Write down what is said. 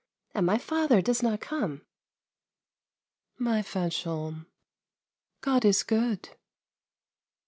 And my father does not come !"" My Fanchon, God is good."